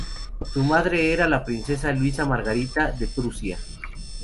Su madre era la princesa Luisa Margarita de Prusia.